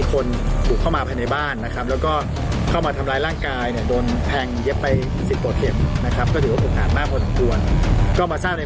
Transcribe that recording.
กลุ่มบุคคล๓๔คนเข้ามาฆ่าร่างกายแล้วพังเย็บไปสิบกว่าเท็จ